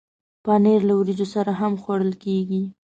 پنېر له وریجو سره هم خوړل کېږي.